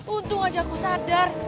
untung aja aku sadar